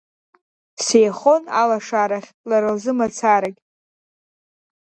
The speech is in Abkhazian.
Сеихон алашарахь лара лзы мацарагь.